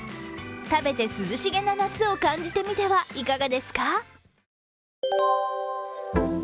食べて涼しげな夏を感じてみてはいかがですか？